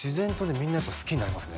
みんな好きになりますね